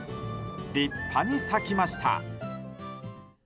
立派に咲きました！